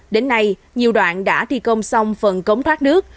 đến nay nhiều đoạn đã thi công xong phần cống thoát nước